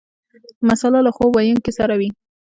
مساله له ځواب ویونکي سره وي.